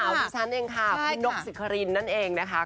สาวชื่อฉันเองค่ะคุณนกศิษย์สิขรินนั่นเองนะคะ